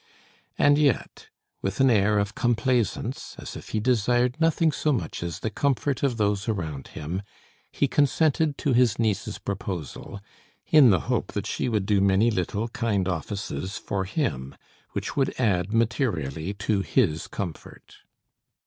And yet, with an air of complaisance, as if he desired nothing so much as the comfort of those around him, he consented to his niece's proposal, in the hope that she would do many little kind offices for him, which would add materially to his comfort.